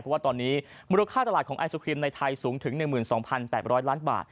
เพราะว่าตอนนี้มูลค่าตลาดของไอศครีมในไทยสูงถึง๑๒๘๐๐ล้านบาท